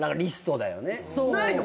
ないの？